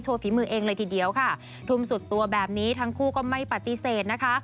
ฝีมือเองเลยทีเดียวค่ะทุ่มสุดตัวแบบนี้ทั้งคู่ก็ไม่ปฏิเสธนะคะ